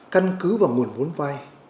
căn cứ vào nguồn vốn vai